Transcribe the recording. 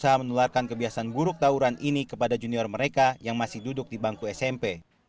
berusaha menularkan kebiasaan buruk tawuran ini kepada junior mereka yang masih duduk di bangku smp